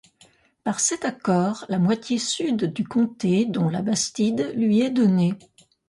Par cet accord, la moitié sud du comté, dont La Bastide, lui est donnée.